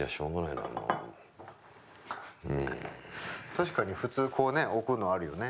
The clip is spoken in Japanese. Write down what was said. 確かに普通こうね置くのあるよね。